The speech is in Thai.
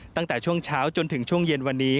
ตั้งแต่ช่วงเช้าจนถึงช่วงเย็นวันนี้